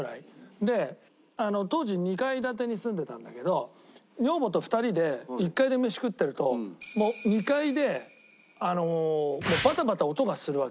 で当時２階建てに住んでたんだけど女房と２人で１階で飯食ってるともう２階でバタバタ音がするわけ。